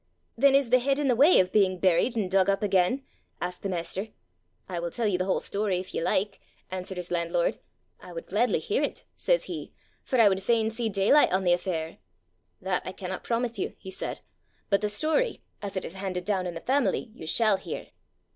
'Then is the head in the way of being buried and dug up again?' asked the master. 'I will tell you the whole story, if you like,' answered his landlord. 'I would gladly hear it,' says he, 'for I would fain see daylight on the affair!' 'That I cannot promise you,' he said; 'but the story, as it is handed down in the family, you shall hear.